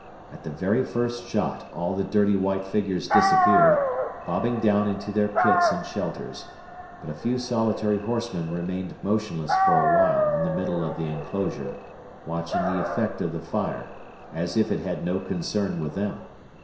At the very first shot all the dirty white figures disappeared, bobbing down into their pits and shelters; but a few solitary horsemen remained motionless for a while in the middle of the enclosure, watching the effect of the fire, as if it had no concern with them.